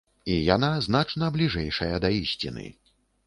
І яна значна бліжэйшая да ісціны.